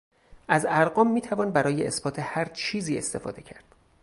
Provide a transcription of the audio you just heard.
از ارقام میتوان برای اثبات هر چیزی استفاده کرد.